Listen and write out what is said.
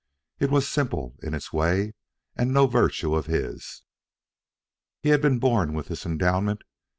It was simple, in its way, and no virtue of his. He had been born with this endowment.